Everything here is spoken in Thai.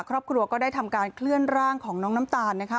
ครอบครัวก็ได้ทำการเคลื่อนร่างของน้องน้ำตาลนะคะ